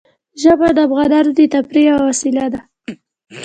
ژمی د افغانانو د تفریح یوه وسیله ده.